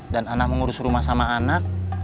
dan anak mengurus rumah sama anak